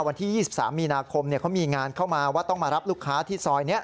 วันที่๒๓มีนาคมเขามีงานเข้ามาว่าต้องมารับลูกค้าที่ซอยนี้